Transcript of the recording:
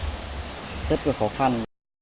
rất là khó khăn